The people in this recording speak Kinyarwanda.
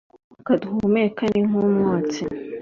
Umwuka duhumeka ni nk’umwotsi,